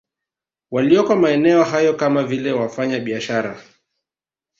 Walioko maeneo hayo kama vile wafanya biashara